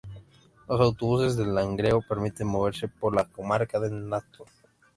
Los Autobuses de Langreo permiten moverse por la comarca del Nalón.